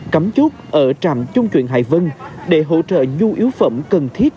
cấm chút ở trạm trung truyện hải vân để hỗ trợ nhu yếu phẩm cần thiết